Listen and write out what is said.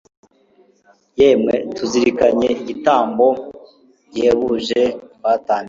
Yemwe Tuzirikanyigitambo gihebuje twatambiwe